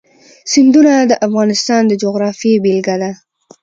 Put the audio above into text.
سیندونه د افغانستان د جغرافیې بېلګه ده.